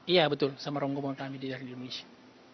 iya betul sama rombongan kami di indonesia